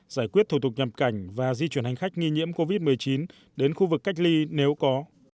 giải quyết thủ tục nhập cảnh và di chuyển hành khách nghi nhiễm covid một mươi chín đến khu vực cách ly nếu có